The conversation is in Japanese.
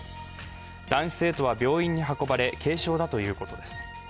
男子生徒は病院に運ばれ、軽傷だということです。